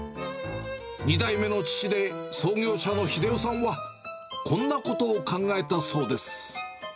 ２代目の父で、創業者のひでおさんは、こんなことを考えたそうです。